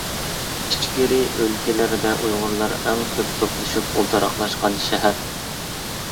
ئىچكىرى ئۆلكىلەردە ئۇيغۇرلار ئەڭ كۆپ توپلىشىپ ئولتۇراقلاشقان شەھەر.